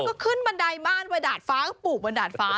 ก็ขึ้นบันไดบ้านไปดาดฟ้าก็ปลูกบนดาดฟ้า